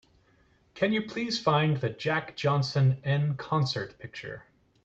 Can you please find the Jack Johnson En Concert picture?